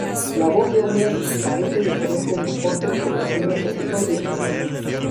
La voz de Homer parece diferente en los cortos y los primeros episodios.